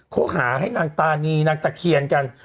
เขาหาให้นางตานีนางตะเคียนกัน